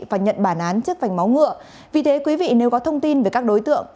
và nhận bản án trước vành máu ngựa vì thế quý vị nếu có thông tin về các đối tượng